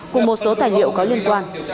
cùng một số tài liệu có liên quan